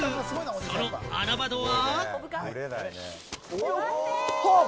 その穴場とは？